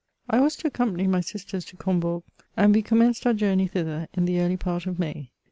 1 Vas to accompany my sisters to Combourg, and we com menced our journey thither in the early part of May.